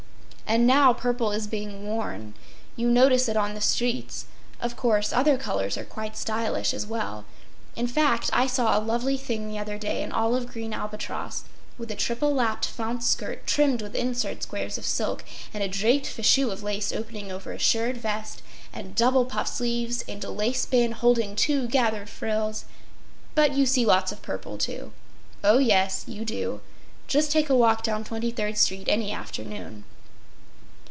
And now purple is being worn. You notice it on the streets. Of course other colors are quite stylish as well—in fact, I saw a lovely thing the other day in olive green albatross, with a triple lapped flounce skirt trimmed with insert squares of silk, and a draped fichu of lace opening over a shirred vest and double puff sleeves with a lace band holding two gathered frills—but you see lots of purple too. Oh, yes, you do; just take a walk down Twenty third street any afternoon.